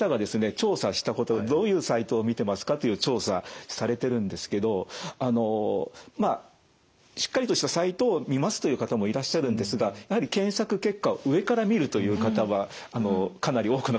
調査したことどういうサイトを見てますかという調査されてるんですけどあのまあしっかりとしたサイトを見ますという方もいらっしゃるんですがやはりという結果も出ております。